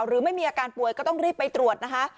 หรือไม่มีอาการป่วยก็ต้องรีบไปตรวจนะคะ